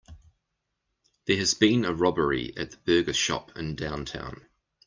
There has been a robbery at the burger shop in downtown.